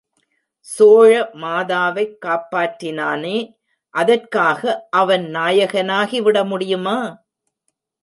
சோழ மாதாவைக் காப்பாற்றினானே, அதற்காக அவன் நாயகனாகி விடமுடியுமா?